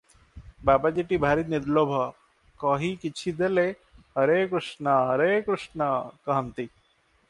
ବାବାଜୀଟି ଭାରି ନିର୍ଲୋଭ, କହି କିଛି ଦେଲେ "ହରେ କୃଷ୍ଣ, ହରେ କୃଷ୍ଣ" କହନ୍ତି ।